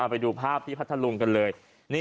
ไปดูภาพที่พัทธลุงกันเลย